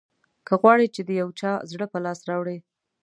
که غواړې چې د یو چا زړه په لاس راوړې.